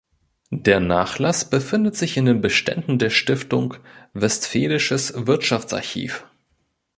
Der Nachlass befindet sich in den Beständen der Stiftung Westfälisches Wirtschaftsarchiv.